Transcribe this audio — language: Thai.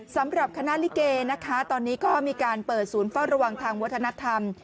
สำหรับคณะลิเกนะคะตอนนี้ก็มีการเปิดศูนย์เฝ้าระวังทางวัฒนธรรม